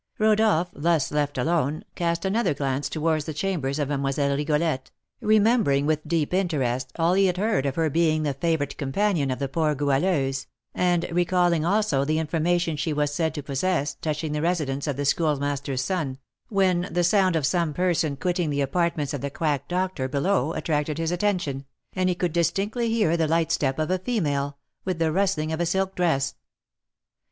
Rodolph, thus left alone, cast another glance towards the chambers of Mlle. Rigolette, remembering with deep interest all he had heard of her being the favourite companion of the poor Goualeuse, and recalling also the information she was said to possess touching the residence of the Schoolmaster's son, when the sound of some person quitting the apartments of the quack doctor below attracted his attention, and he could distinctly hear the light step of a female, with the rustling of a silk dress.